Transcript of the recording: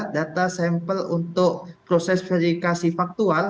data sampel untuk proses verifikasi faktual